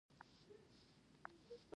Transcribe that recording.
د کور فرنيچر دوړې نیولې وې.